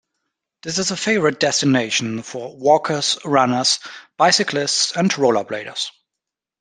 This is a favourite destination for walkers, runners, bicyclists, and roller-bladers.